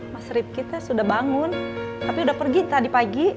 mas rip kita sudah bangun tapi udah pergi tadi pagi